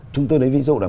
chúng tôi lấy ví dụ là